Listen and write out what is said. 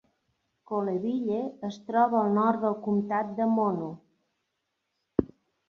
Coleville es troba al nord del comtat de Mono.